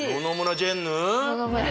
ジェンヌ